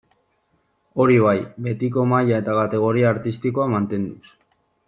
Hori bai, betiko maila eta kategoria artistikoa mantenduz.